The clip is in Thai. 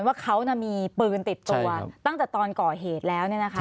ว่าเขามีปืนติดตัวตั้งแต่ตอนก่อเหตุแล้ว